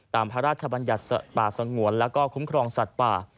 พระราชบัญญัติป่าสงวนแล้วก็คุ้มครองสัตว์ป่า